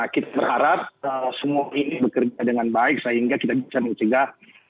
kita berharap semua ini bekerja dengan baik sehingga kita bisa mencegah